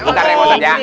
ntar ya mau saja